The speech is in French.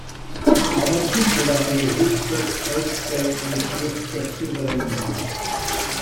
On apprit que l'armée russe crossait les Turks souverainement.